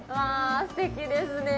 すてきですね。